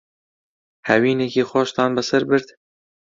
هاوینێکی خۆشتان بەسەر برد؟